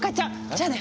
じゃあね！